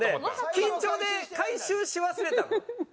緊張で回収し忘れたの？